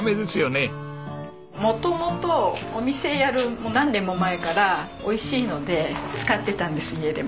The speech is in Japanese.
元々お店をやる何年も前からおいしいので使ってたんです家でも。